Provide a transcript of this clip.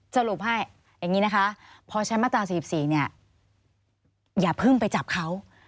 สรุปให้อย่างนี้นะคะพอใช้มาตรา๔๔เนี่ยอย่าเพิ่งไปจับเขา